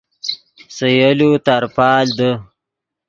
سے یولو ترپال دے